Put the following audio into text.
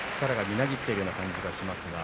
力がみなぎっている感じがします。